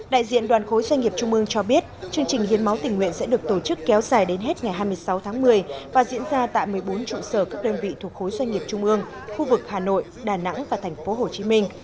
đại diện đoàn khối doanh nghiệp trung ương cho biết chương trình hiến máu tình nguyện sẽ được tổ chức kéo dài đến hết ngày hai mươi sáu tháng một mươi và diễn ra tại một mươi bốn trụ sở các đơn vị thuộc khối doanh nghiệp trung ương khu vực hà nội đà nẵng và thành phố hồ chí minh